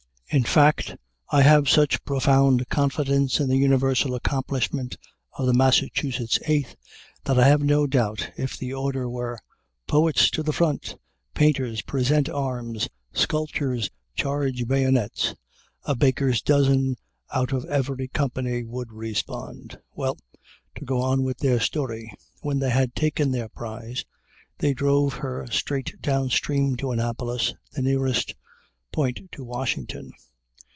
In fact, I have such profound confidence in the universal accomplishment of the Massachusetts Eighth, that I have no doubt, if the order were, "Poets to the front!" "Painters present arms!" "Sculptors charge bayonets!" a baker's dozen out of every company would respond. Well, to go on with their story, when they had taken their prize, they drove her straight downstream to Annapolis, the nearest point to Washington.